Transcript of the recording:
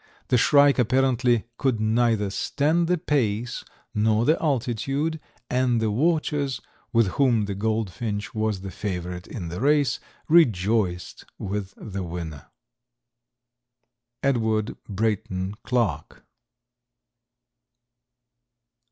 The shrike apparently could neither stand the pace nor the altitude, and the watchers, with whom the goldfinch was the favorite in the race, rejoiced with the winner. Edward Brayton Clark.